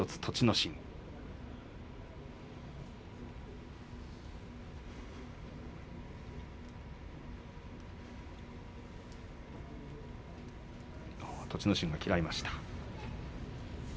心が嫌いました。